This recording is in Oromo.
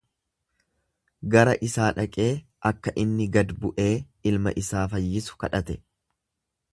Gara isaa dhaqee akka inni gad bu'ee ilma isaa fayyisu kadhate.